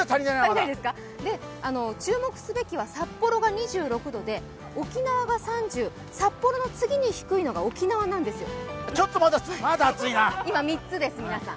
注目すべきは札幌が２６度で沖縄が３０、札幌の次に低いのが沖縄なんですよ。